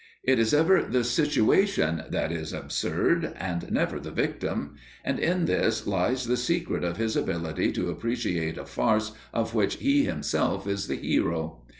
It is ever the situation that is absurd, and never the victim; and in this lies the secret of his ability to appreciate a farce of which he himself is the hero.